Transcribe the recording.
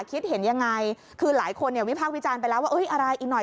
คิดเห็นยังไงคือหลายคนเนี่ยวิพากษ์วิจารณ์ไปแล้วว่าเอ้ยอะไรอีกหน่อย